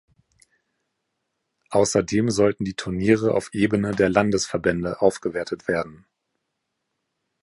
Außerdem sollten die Turniere auf Ebene der Landesverbände aufgewertet werden.